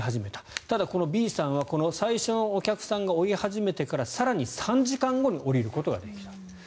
ただ、このＢさんは最初のお客さんが降り始めてから更に３時間後に降りることができたと。